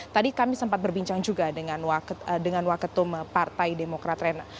tadi kami sempat berbincang juga dengan waketum partai demokrat rena